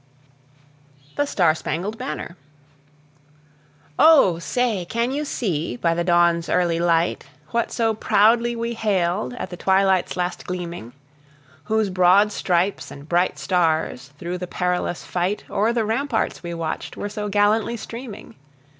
THE STAR SPANGLED BANNER. O! say, can you see, by the dawn's early light, What so proudly we hailed at the twilight's last gleaming Whose broad stripes and bright stars, through the perilous fight, O'er the ramparts we watched were so gallantly streaming!